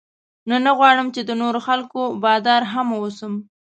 نو نه غواړم چې د نورو خلکو بادار هم واوسم.